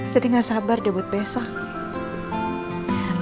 jadi gak sabar debut besok